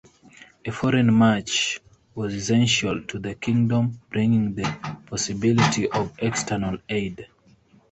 A foreign match was essential to the kingdom, bringing the possibility of external aid.